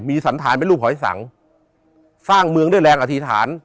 สันธารเป็นรูปหอยสังสร้างเมืองด้วยแรงอธิษฐาน